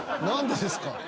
何でですか？